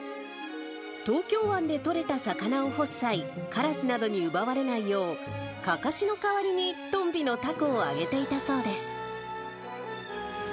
東京湾で取れた魚を干す際、カラスなどに奪われないよう、かかしの代わりにとんびのたこを揚げていたそうです。